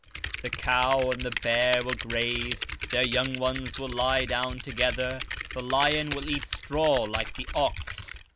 21:7 And the cow and the bear shall feed; their young ones shall lie down together; and the lion shall eat straw like the ox.